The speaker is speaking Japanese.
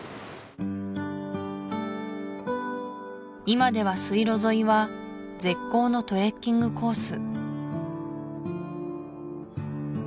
今では水路沿いは絶好のトレッキングコース